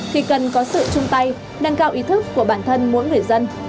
thì cần có sự chung tay nâng cao ý thức của bản thân mỗi người dân